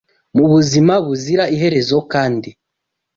Mu buzima buzira iherezo kandi